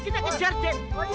kita kejar don